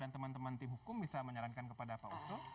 dan teman teman tim hukum bisa menyalahkan kepada pak oso